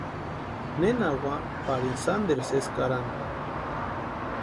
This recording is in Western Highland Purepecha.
Nena úa parini sánteru sési karani.